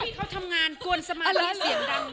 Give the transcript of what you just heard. ที่เค้าทำงานกวนสมาธิเสียงดัง